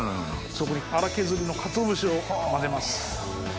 そこに粗削りのかつお節を混ぜます。